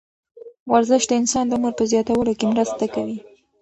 ورزش د انسان د عمر په زیاتولو کې مرسته کوي.